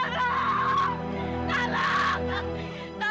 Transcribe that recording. ya udah kita bisa